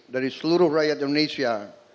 dari seluruh rakyat indonesia